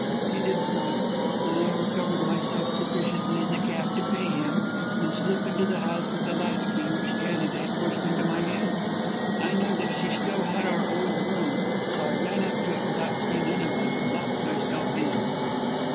He did so, and I recovered myself sufficiently in the cab to pay him, and to slip into the house with the latchkey which Janet had pushed into my hand. I knew that she still had our old room, so I ran up to it without seeing anyone, and locked myself in."